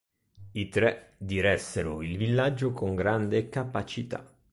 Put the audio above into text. I tre diressero il villaggio con grande capacità.